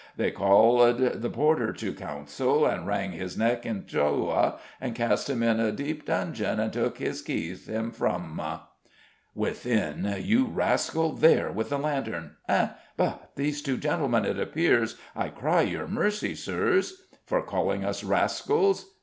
_ _They called the porter to counsell, And wrange his necke in two a, And caste him in a depe dungeon, And took hys keys hym fro a._ Within! You rascal, there, with the lantern!... Eh? but these be two gentlemen, it appears? I cry your mercy, Sirs." "For calling us rascals?"